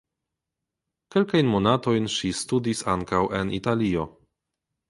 Kelkajn monatojn ŝi studis ankaŭ en Italio.